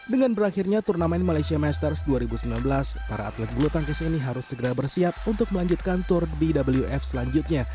dengan berakhirnya turnamen malaysia masters dua ribu sembilan belas para atlet bulu tangkis ini harus segera bersiap untuk melanjutkan tour bwf selanjutnya